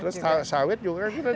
terus sawit juga kita